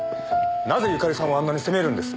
なぜ由香利さんをあんなに責めるんです？